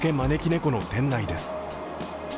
この店内です。